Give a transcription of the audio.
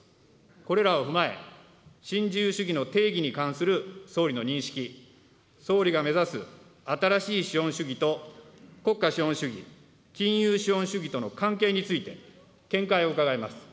これらを踏まえ、新自由主義の定義に関する総理の認識、総理が目指す新しい資本主義と国家資本主義、金融資本主義との関係について、見解を伺います。